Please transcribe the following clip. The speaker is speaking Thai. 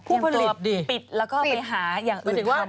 ผู้ผลิตปิดแล้วก็ไปหาอย่างอื่น